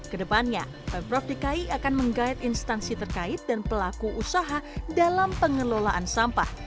kedepannya pemprov dki akan menggait instansi terkait dan pelaku usaha dalam pengelolaan sampah